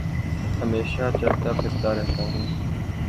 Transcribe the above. ہمیشہ چلتا پھرتا رہتا ہوں